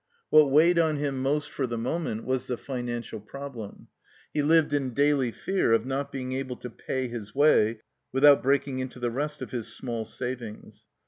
What weighed on him most for the moment was the financial problem. He lived in daily fear of not being able to pay his way without breaking into the rest of his small savings.